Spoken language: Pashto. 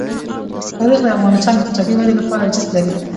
تاریخ د افغانستان د اقتصادي ودې لپاره ارزښت لري.